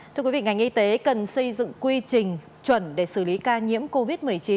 thưa quý vị ngành y tế cần xây dựng quy trình chuẩn để xử lý ca nhiễm covid một mươi chín